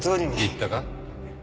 言ったか？